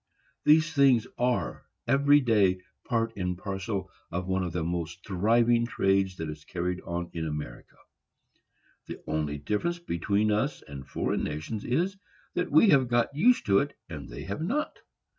These things are, every day, part and parcel of one of the most thriving trades that is carried on in America. The only difference between us and foreign nations is, that we have got used to it, and they have not.